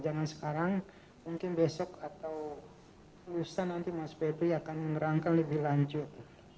jangan sekarang mungkin besok atau lulusan nanti mas pevi akan mengerangkan lebih lanjut